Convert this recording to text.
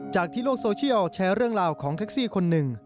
จากที่โลกโซเชียลแชร์เรื่องราวของแท็กซี่คนหนึ่ง